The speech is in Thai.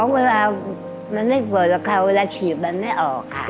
อ๋อเวลามันไม่เปิดแล้วค่ะเวลาฉี่มันไม่ออกค่ะ